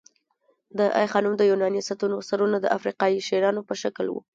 د آی خانم د یوناني ستونو سرونه د افریقايي شیرانو په شکل وو